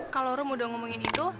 kalau room udah ngomongin itu